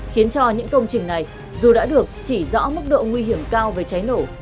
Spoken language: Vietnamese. khiến cho những công trình này dù đã được chỉ rõ mức độ nguy hiểm cao về cháy nổ